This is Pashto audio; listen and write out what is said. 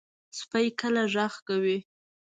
سپي کله غږ کوي.